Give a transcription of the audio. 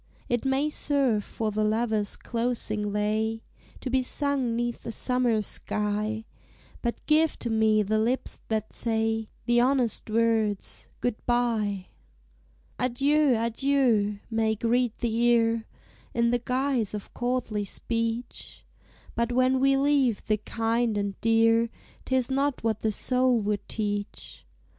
It may serve for the lover's closing lay, To be sung 'neath a summer sky; But give to me the lips that say The honest words, "Good bye!" "Adieu! adieu!" may greet the ear, In the guise of courtly speech: But when we leave the kind and dear, 'Tis not what the soul would teach.